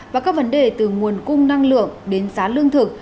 và các vấn đề từ nguồn cung năng lượng đến giá lương thực